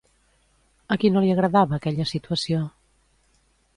A qui no li agradava aquella situació?